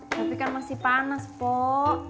tapi kan masih panas kok